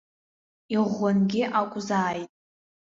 Иӷәӷәангьы акәзааит.